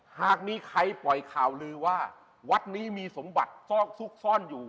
หากมีใครปล่อยข่าวลือว่าวัดนี้มีสมบัติซอกซุกซ่อนอยู่